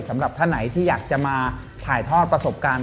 สำหรับท่านไหนที่อยากจะมาถ่ายทอดประสบการณ์